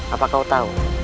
apa kau tahu